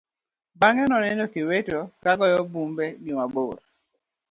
Bang'e noneno kiweto ka goyo bumbe gi mabor.